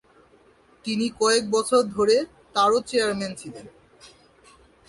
তিনি কয়েক বছর ধরে তারও চেয়ারম্যান ছিলেন।